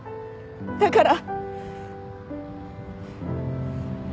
だから。